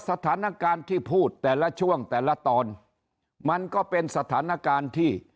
สถานการณ์ที่พูดแต่ละช่วงแต่ละตอนมันก็เป็นสถานการณ์ที่